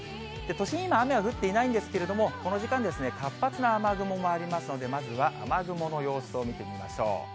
都心、今雨は降ってないんですが、この時間、活発な雨雲もありますので、まずは雨雲の様子を見てみましょう。